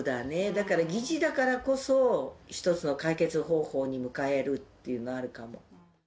だから疑似だからこそ、一つの解決方法に向かえるっていうの、あるかも。